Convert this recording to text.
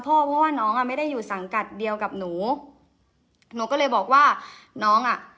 เพราะว่าน้องอ่ะไม่ได้อยู่สังกัดเดียวกับหนูหนูก็เลยบอกว่าน้องอ่ะ